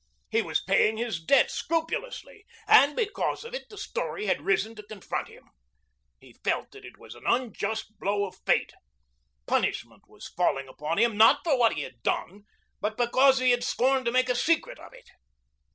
He was paying his debt scrupulously, and because of it the story had risen to confront him. He felt that it was an unjust blow of fate. Punishment was falling upon him, not for what he had done, but because he had scorned to make a secret of it.